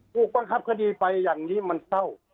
ถูกบังคับคดีไปอย่างนี้มันเศร้า